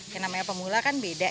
yang namanya pemula kan beda